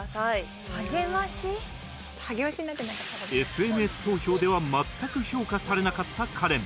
ＳＮＳ 投票では全く評価されなかったカレン